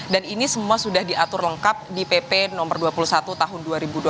dan ini semua sudah diatur lengkap di pp dua puluh satu tahun dua ribu dua puluh empat